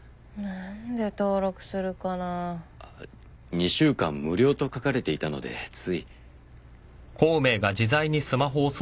２週間無料と書かれていたのでつい。